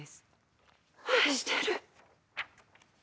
愛してる。